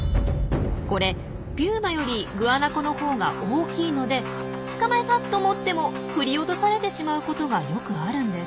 これピューマよりグアナコのほうが大きいので捕まえた！と思っても振り落とされてしまうことがよくあるんです。